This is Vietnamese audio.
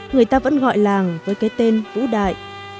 người ta vẫn gọi làng với cái tên vũ đại